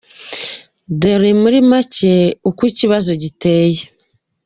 Dore muri macye uko ikibazo giteye :